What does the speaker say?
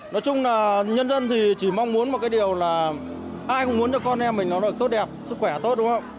nói chung là nhân dân thì chỉ mong muốn một cái điều là ai cũng muốn cho con em mình nó được tốt đẹp sức khỏe tốt đúng không